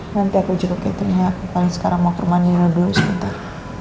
nanti aku juga catherine ya aku paling sekarang mau ke rumah nina dulu sebentar